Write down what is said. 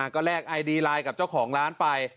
ก็แลกไอดีไลน์กับเจ้าของร้านไป